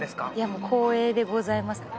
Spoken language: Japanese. もう光栄でございます